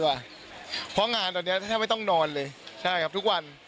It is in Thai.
เพราะงานตอนนี้แทบไม่ต้องนอนเลยใช่ครับทุกวัน